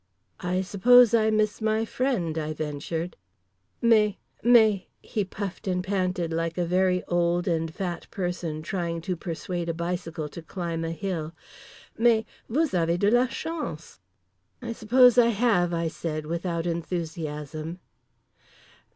"I suppose I miss my friend," I ventured. "Mais—mais—" he puffed and panted like a very old and fat person trying to persuade a bicycle to climb a hill—"mais—vous avez de la chance!" "I suppose I have," I said without enthusiasm.